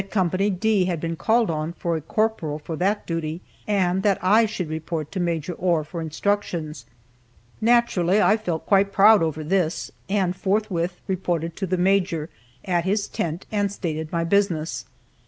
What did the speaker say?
D had been called on for a corporal for that duty, and that I should report to Maj. Ohr for instructions. Naturally I felt quite proud over this, and forthwith reported to the Major, at his tent, and stated my business.